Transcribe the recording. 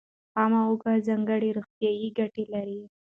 خامه هوږه ځانګړې روغتیایي ګټې لري.